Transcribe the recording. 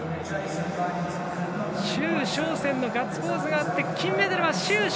周召倩のガッツポーズがあって金メダルは周召倩。